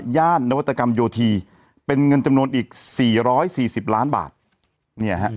ย่านนวัตกรรมโยธีเป็นเงินจำนวนอีก๔๔๐ล้านบาทเนี่ยฮะ